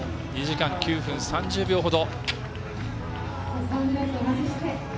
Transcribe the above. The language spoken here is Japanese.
２時間９分３０秒ほど。